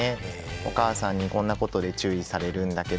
「お母さんにこんなことで注意されるんだけど」